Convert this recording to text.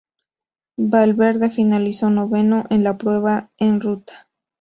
Valverde finalizó noveno en la prueba en ruta.